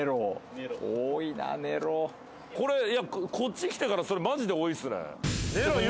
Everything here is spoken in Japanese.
これこっち来てからそれマジで多いっすね。